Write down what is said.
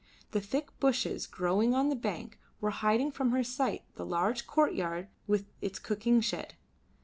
The thick bushes growing on the bank were hiding from her sight the large courtyard with its cooking shed.